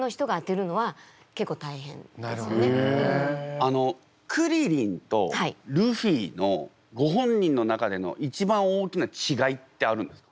あのクリリンとルフィのご本人の中での一番大きな違いってあるんですか？